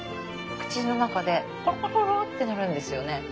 口の中でホロホロホロってなるんですよね。